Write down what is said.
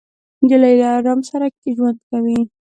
نجلۍ له ارام سره ژوند کوي.